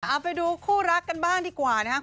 เอาไปดูคู่รักกันบ้างดีกว่านะครับ